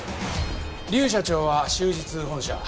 劉社長は終日本社。